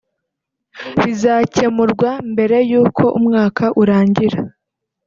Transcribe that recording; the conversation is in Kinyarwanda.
bizacyemurwa mbere y’uko umwaka urangira